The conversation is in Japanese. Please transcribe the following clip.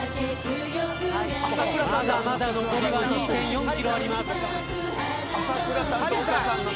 まだ残りは２．４ｋｍあります。